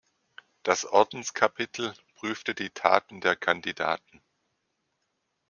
Das Ordenskapitel prüfte die Taten der Kandidaten.